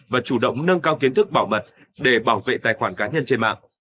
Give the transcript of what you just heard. và chủ động nâng cao kiến thức bảo mật để bảo vệ tài khoản cá nhân trên mạng